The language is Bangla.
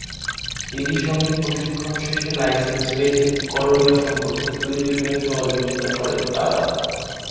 এরই সঙ্গে প্রশিক্ষণ শেষে লাইসেন্স পেতে করণীয় সম্পর্কে প্রয়োজনীয় সহযোগিতা করেন তাঁরা।